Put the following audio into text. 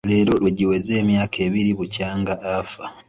Leero lwe giweze emyaka abiri bukyanga afa.